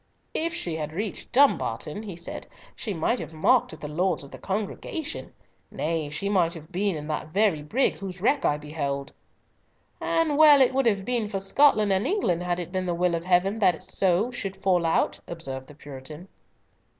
"If she had reached Dumbarton," he said, "she might have mocked at the Lords of the Congregation. Nay, she might have been in that very brig, whose wreck I beheld." "And well would it have been for Scotland and England had it been the will of Heaven that so it should fall out," observed the Puritan.